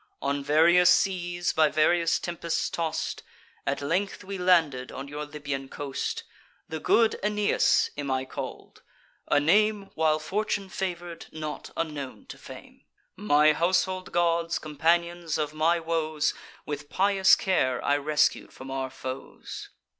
On various seas by various tempests toss'd, At length we landed on your Libyan coast. The good Aeneas am I call'd, a name, While Fortune favour'd, not unknown to fame. My household gods, companions of my woes, With pious care I rescued from our foes.